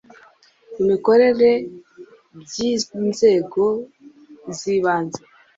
imikorere byi nzego zibanze